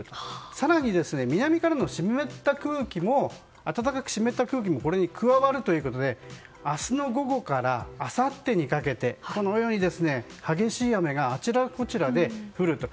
更に、南からの暖かく湿った空気もこれに加わるということで明日の午後からあさってにかけてこのように激しい雨があちらこちらで降ると。